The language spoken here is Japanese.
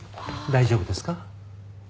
大丈夫ですか？